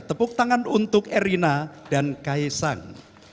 tepuk tangan untuk erina dan kae sang